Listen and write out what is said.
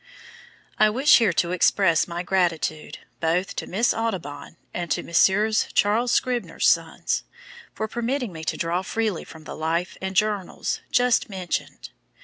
I wish here to express my gratitude both to Miss Audubon, and to Messrs. Charles Scribner's Sons, for permitting me to draw freely from the "Life and Journals" just mentioned.